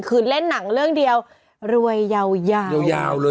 คือเล่นหนังเรื่องเดียวรวยยาว